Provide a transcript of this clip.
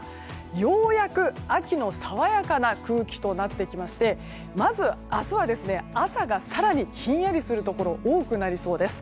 ようやく秋の爽やかな空気となってきましてまず、明日は朝が更にひんやりするところ多くなりそうです。